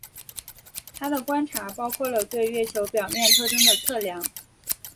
他的观察包括了对月球表面特征的测量。